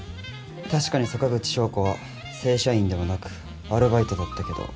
確かに坂口翔子は正社員ではなくアルバイトだったけど。